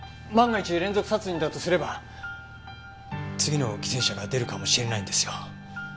万が一連続殺人だとすれば次の犠牲者が出るかもしれないんですよ。